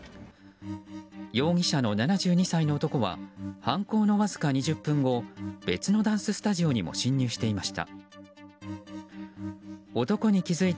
容疑者の７２歳の男は犯行のわずか２０分後別のダンススタジオにも侵入していました。